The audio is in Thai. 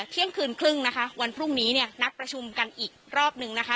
เที่ยงคืนครึ่งนะคะวันพรุ่งนี้เนี่ยนัดประชุมกันอีกรอบนึงนะคะ